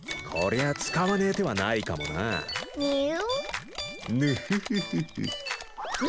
こりゃ使わねえ手はないかもなあ。